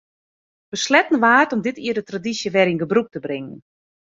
Besletten waard om dit jier de tradysje wer yn gebrûk te bringen.